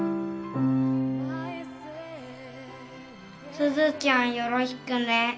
すずちゃんよろしくね。